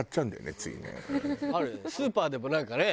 スーパーでもなんかね。